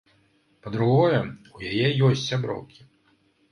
Па-другое, у яе ёсць сяброўкі.